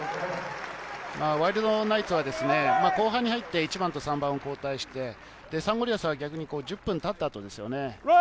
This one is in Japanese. ワイルドナイツは後半に入って１番と３番を交代して、サンゴリアスは逆に１０分経った後ですよね。